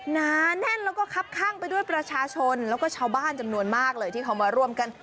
นาแน่นแล้วก็คับข้างไปด้วยประชาชนแล้วก็ชาวบ้านจำนวนมากเลยที่เขามาร่วมกัน